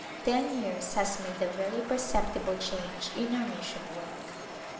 Ten years has made a very perceptible change in our mission work.